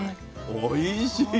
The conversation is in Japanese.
おいしい！